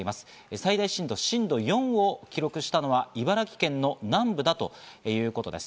最大震度、震度４を記録したのは茨城県の南部だということです。